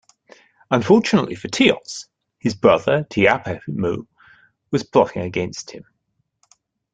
Unfortunately for Teos, his brother Tjahapimu was plotting against him.